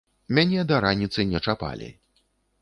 Мяне да раніцы не чапалі.